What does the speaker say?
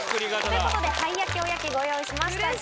ということで灰焼きおやきご用意しました。